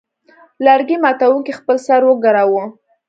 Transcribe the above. لرګي ماتوونکي خپل سر وګراوه.